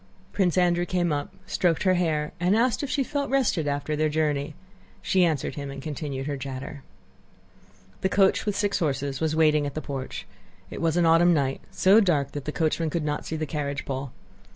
Prince Andrew came up, stroked her hair, and asked if she felt rested after their journey. She answered him and continued her chatter. The coach with six horses was waiting at the porch. It was an autumn night, so dark that the coachman could not see the carriage pole.